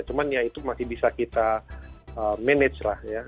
cuman ya itu masih bisa kita manage lah ya